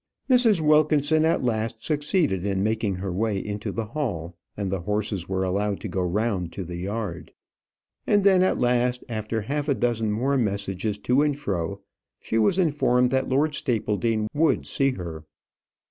Mrs. Wilkinson at last succeeded in making her way into the hall, and the horses were allowed to go round to the yard. And then at last, after half a dozen more messages to and fro, she was informed that Lord Stapledean would see her.